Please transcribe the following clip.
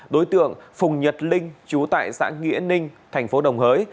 đối tượng phùng nhật linh chú tại xã nghĩa ninh tp đồng hới